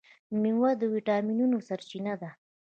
میوې د ویټامینونو سرچینه ده.